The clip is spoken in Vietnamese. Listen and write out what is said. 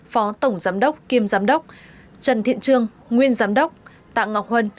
phó tổng giám đốc kiêm giám đốc trần thiện trương nguyên giám đốc tạ ngọc huân